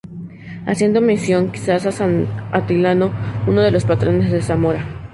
Haciendo mención, quizás a San Atilano, uno de los patronos de Zamora.